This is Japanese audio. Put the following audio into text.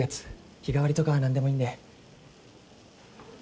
日替わりとか何でもいいんで。